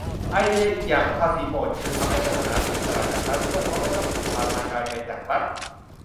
ไอเดียอีกอย่างของภาษีโบสถ์ คือทำให้ศาสนาเป็นอิสระจากรัฐด้วย เพราะไม่ต้องพึ่งพาทางการเงินจากรัฐ